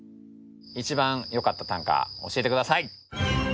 一番よかった短歌教えて下さい。